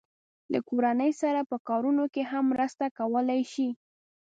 له کورنۍ سره په کارونو کې هم مرسته کولای شي.